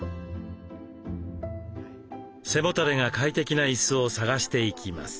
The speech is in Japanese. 背もたれが快適な椅子を探していきます。